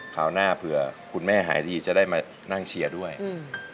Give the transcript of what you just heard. คราวหน้าเผื่อคุณแม่หายดีจะได้มานั่งเชียร์ด้วยอืม